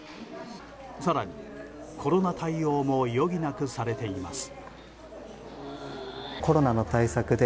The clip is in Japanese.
更に、コロナ対応も余儀なくされています。